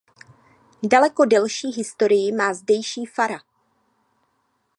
Daleko delší historii má zdejší fara.